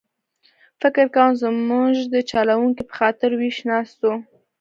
فکر کووم زموږ د چلوونکي په خاطر ویښ ناست و.